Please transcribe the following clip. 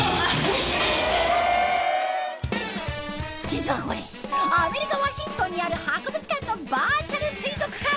実はこれアメリカワシントンにある博物館のバーチャル水族館。